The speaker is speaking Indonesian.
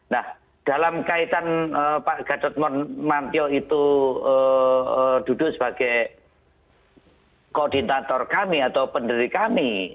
nah dalam kaitan pak gatot mantio itu duduk sebagai koordinator kami atau pendiri kami